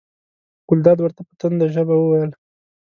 ګلداد ورته په تنده ژبه وویل.